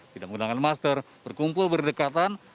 tidak menggunakan masker berkumpul berdekatan